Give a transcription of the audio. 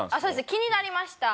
気になりました。